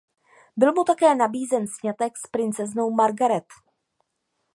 Byl mu také nabízen sňatek s princeznou Margaret.